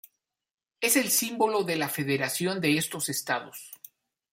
Es el símbolo de la Federación de estos estados.